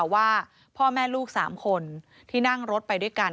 ว่าพ่อแม่ลูก๓คนที่นั่งรถไปด้วยกัน